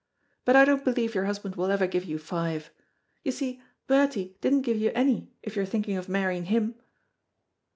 But I don't believe your husband will ever give you five. You see, Bertie didn't give you any, if you're thinking of marrying him."